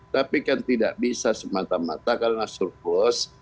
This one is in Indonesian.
tapi kan tidak bisa semata mata karena surplus